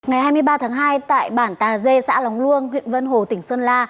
ngày hai mươi ba tháng hai tại bản tà dê xã lóng luông huyện vân hồ tỉnh sơn la